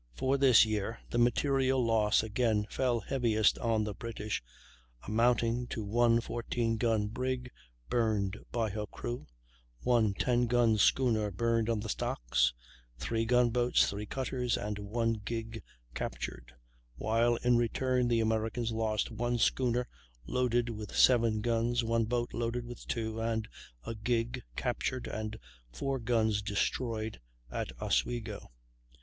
For this year the material loss again fell heaviest on the British, amounting to one 14 gun brig burned by her crew, one 10 gun schooner burned on the stocks, three gun boats, three cutters, and one gig captured; while in return the Americans lost one schooner loaded with seven guns, one boat loaded with two, and a gig captured and four guns destroyed at Oswego.